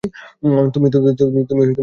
তুমি কাল বিয়ে করছো!